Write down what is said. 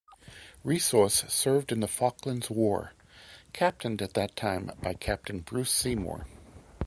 "Resource" served in the Falklands War, captained at that time by Captain Bruce Seymour.